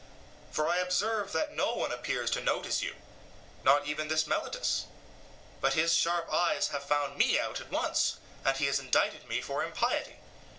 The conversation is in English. For I observe that no one appears to notice you not even this Meletus; but his sharp eyes have found me out at once, and he has indicted me for impiety.